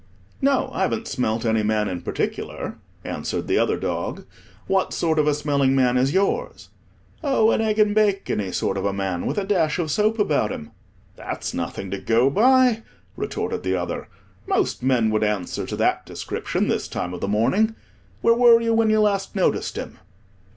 "No, I haven't smelt any man in particular," answered the other dog. "What sort of a smelling man is yours?" "Oh, an egg and bacony sort of a man, with a dash of soap about him." "That's nothing to go by," retorted the other; "most men would answer to that description, this time of the morning. Where were you when you last noticed him?"